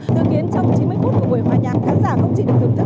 dự kiến trong chín mươi phút của buổi hòa nhạc khán giả không chỉ được thưởng thức